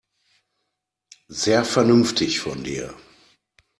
Sehr vernünftig von dir.